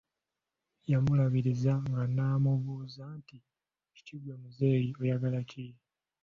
Yamulabiriza nga n'amubuuza nti, kiki ggwe muzeeyi, oyagala ki?